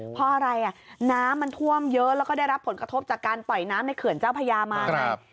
เพราะอะไรน้ำมันท่วมเยอะแล้วก็ได้รับผลกระทบจากการปล่อยน้ำในเขื่อนเจ้าพญามาไง